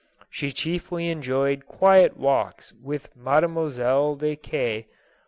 She chiefly enjoyed quiet walks with Mademoiselle de K ..